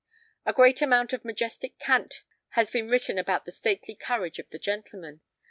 A great amount of majestic cant has been written about the stately courage of the Gentleman.